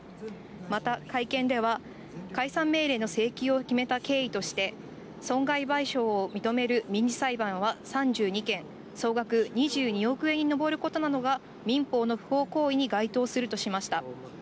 また、会見では、解散命令の請求を決めた経緯として、損害賠償を認める民事裁判は３２件、総額２２億円に上ることなどが民法の不法行為に該当するとしました。